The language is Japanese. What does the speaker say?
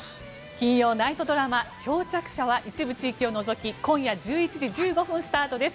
金曜ナイトドラマ「漂着者」は一部地域を除き今夜１１時１５分スタートです。